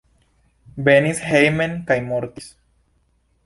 Venis hejmen kaj mortis.